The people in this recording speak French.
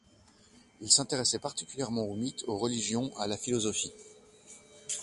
Il s'intéressait particulièrement aux mythes, aux religions, à la philosophie.